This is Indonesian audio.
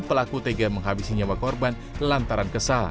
pelaku tega menghabisinyawa korban lantaran kesal